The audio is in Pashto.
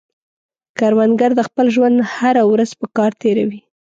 کروندګر د خپل ژوند هره ورځ په کار تېروي